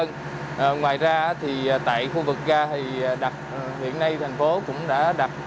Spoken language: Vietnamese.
ngoài ra tại khu vực ga hiện nay thành phố cũng đã đặt